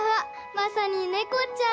まさにねこちゃん。